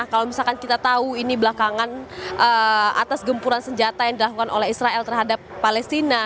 kalau misalkan kita tahu ini belakangan atas gempuran senjata yang dilakukan oleh israel terhadap palestina